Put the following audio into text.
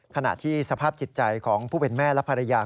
ขณะที่สภาพจิตใจของผู้เป็นแม่และภรรยา